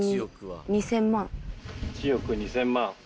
１億２０００万。